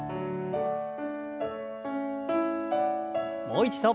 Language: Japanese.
もう一度。